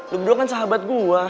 lu berdua kan sahabat gue